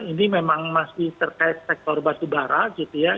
ini memang masih terkait sektor batu bara gitu ya